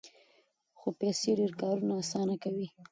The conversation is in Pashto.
خو پیسې ډېر کارونه اسانه کوي.